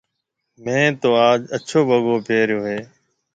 ميه تو آج اڇو وگو پيريو هيَ۔